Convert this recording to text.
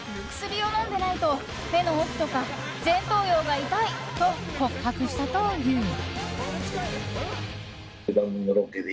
薬を飲んでないと、目の奥とか前頭葉が痛いと告白したという。